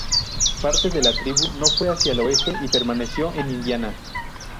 Parte de la tribu no fue hacia el oeste y permaneció en Indiana.